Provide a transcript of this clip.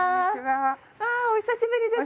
あお久しぶりです。